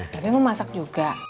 tapi lo masak juga